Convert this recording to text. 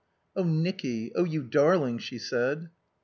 "Oh Nicky, oh you darling!" she said.